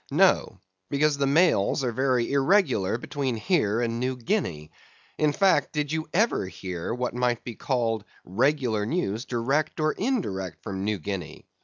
No: because the mails are very irregular between here and New Guinea. In fact, did you ever hear what might be called regular news direct or indirect from New Guinea?